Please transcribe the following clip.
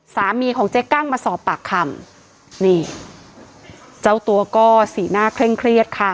ของเจ๊กั้งมาสอบปากคำนี่เจ้าตัวก็สีหน้าเคร่งเครียดค่ะ